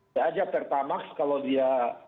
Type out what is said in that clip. tidak aja pertamaks kalau dia